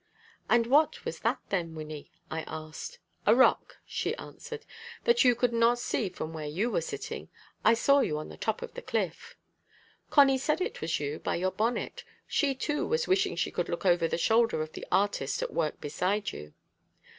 "And what was that then, Wynnie?" I asked. "A rock," she answered, "that you could not see from where you were sitting. I saw you on the top of the cliff." "Connie said it was you, by your bonnet. She, too, was wishing she could look over the shoulder of the artist at work beside you."